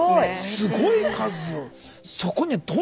すごい数よ！